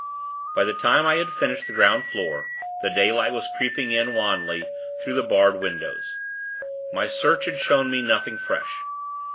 By the time I had finished the ground floor, the daylight was creeping in, wanly, through the barred windows. My search had shown me nothing fresh.